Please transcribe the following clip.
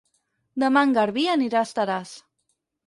Demà en Garbí anirà a Estaràs.